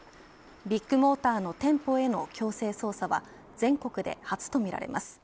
ビッグモーターの店舗への強制捜査は全国で初とみられます。